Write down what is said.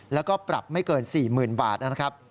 แล้วก็ปรับไม่เกิน๔๐๐๐บาทนะครับ